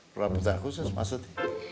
perabotan khusus maksudnya